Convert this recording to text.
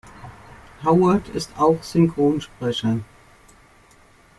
Howard ist auch Synchronsprecher.